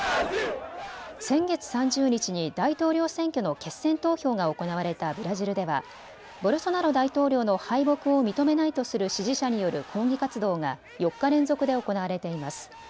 先月３０日に大統領選挙の決選投票が行われたブラジルではボルソナロ大統領の敗北を認めないとする支持者による抗議活動が４日連続で行われています。